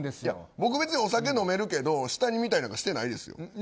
僕、別にお酒飲めるけど下に見たりしてないです。